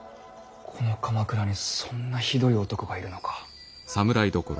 この鎌倉にそんなひどい男がいるのか。